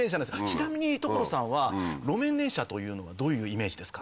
ちなみに所さんは路面電車というのはどういうイメージですか？